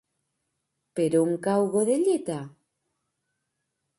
Per on cau Godelleta?